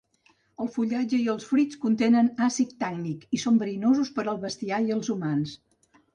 El fullatge i els fruits contenen àcid tànnic i són verinosos per al bestiar i els humans.